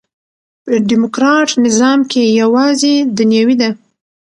په ډيموکراټ نظام کښي یوازي دنیوي ده.